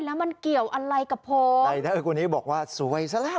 แล้วมันเกี่ยวอะไรกับผมได้ถ้าคนนี้บอกว่าซวยซะละ